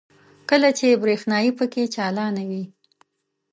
کله چې برېښنايي پکې چالانوي.